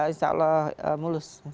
insya allah mulus